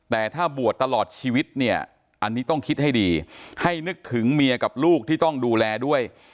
แต่ถ้าบวชตลอดชีวิตเนี่ยอันนี้ต้องคิดให้ดีให้นึกถึงเมียกับลูกที่ต้องดูแลด้วย